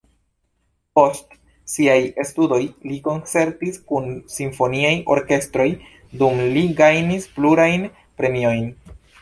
Post siaj studoj li koncertis kun simfoniaj orkestroj, dum li gajnis plurajn premiojn.